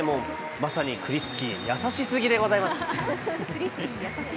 まさにクリスキー優しスギでございます。